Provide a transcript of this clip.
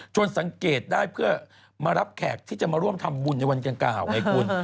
สังเกตได้เพื่อมารับแขกที่จะมาร่วมทำบุญในวันกลางกล่าวไงคุณ